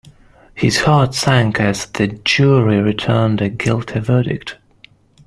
His heart sank as the jury returned a guilty verdict.